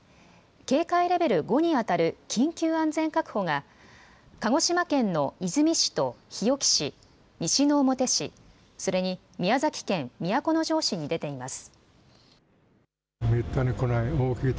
警戒レベル５に当たる緊急安全確保が、鹿児島県の出水市と日置市、西之表市、それに宮崎県都城市に出ています。